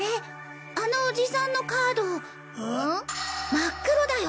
真っ黒だよ。